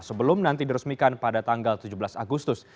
sebelum nanti diresmikan pada tanggal tujuh belas agustus